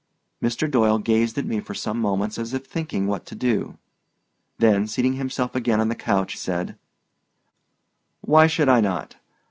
Mr. Doyle gazed at me for some moments as if thinking what to do, then seating himself again on the couch, said: "Why should I not?